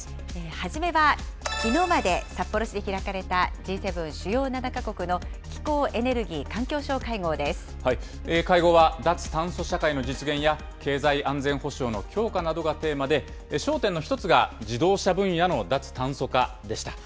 初めはきのうまで札幌市で開かれたＧ７・主要７か国の気候・会合は、脱炭素社会の実現や経済安全保障の強化などがテーマで、焦点の１つが、自動車分野の脱炭素化でした。